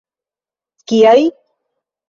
Kiaj?